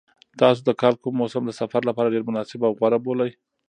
تاسو د کال کوم موسم د سفر لپاره ډېر مناسب او غوره بولئ؟